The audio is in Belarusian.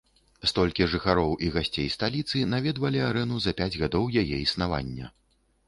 Столькі жыхароў і гасцей сталіцы наведвалі арэну за пяць гадоў яе існавання.